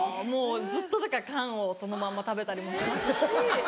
ずっとだから缶をそのまんま食べたりもしますし。